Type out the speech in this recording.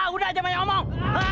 udah aja banyak ngomong